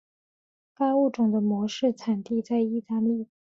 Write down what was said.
该物种的模式产地在意大利。